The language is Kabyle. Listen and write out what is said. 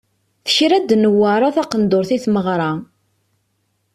Tekra-d Newwara taqendurt i tmeɣra.